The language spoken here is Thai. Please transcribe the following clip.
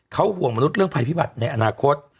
เขาห่วงมนุษย์เรื่องภัยพิบัติในอนาคต